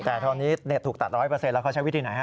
แต่ตอนนี้ถูกตัด๑๐๐แล้วเขาใช้วิธีไหนฮ